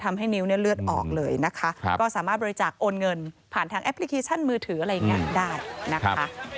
ทำให้นิ้วเนี่ยเลือดออกเลยนะคะก็สามารถบริจาคโอนเงินผ่านทางแอปพลิเคชันมือถืออะไรอย่างนี้ได้นะคะ